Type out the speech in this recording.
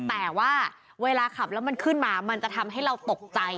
แต่ว่าเวลาขับแล้วมันขึ้นมามันจะทำให้เราตกใจ